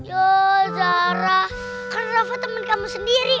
yo zara kan rafa temen kamu sendiri